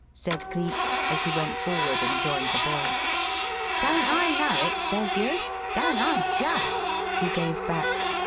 said Cleek, as he went forward and joined the boy. "Don't I know it, says you? Don't I just!" he gave back.